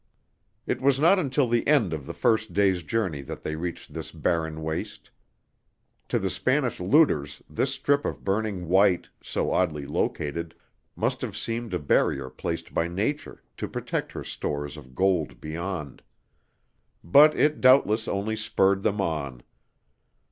It was not until the end of the first day's journey that they reached this barren waste. To the Spanish looters this strip of burning white, so oddly located, must have seemed a barrier placed by Nature to protect her stores of gold beyond. But it doubtless only spurred them on.